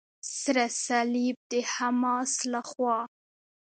سره صلیب د حماس لخوا.